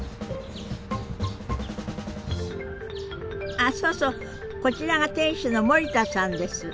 あそうそうこちらが店主の森田さんです。